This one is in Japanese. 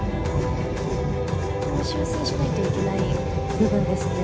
修正しないといけない部分ですね。